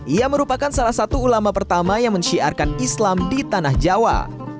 ia merupakan salah satu ulama pertama yang mensyiarkan islam di tanah jawa